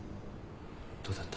どうだった？